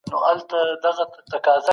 آيا فني مهارت د توليد کچه لوړولی سي؟